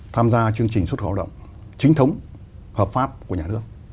tham gia chương trình xuất khẩu động chính thống hợp pháp của nhà nước